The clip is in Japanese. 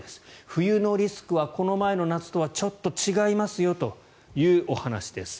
冬のリスクはこの前の夏とはちょっと違いますよというお話です。